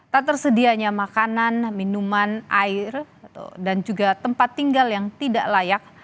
tak tersedianya makanan minuman air dan juga tempat tinggal yang tidak layak